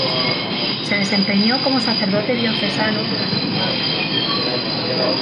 Se desempeñó como sacerdote diocesano durante nueve años.